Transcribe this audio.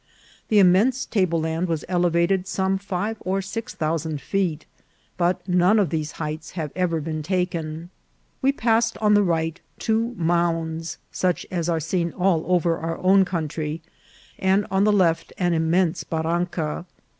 The immense table land was elevated some five or six thousand feet, but none of these heights have ever been taken. We pass ed on the right two mounds, such as are seen all over our own country, and on the left an immense barranca.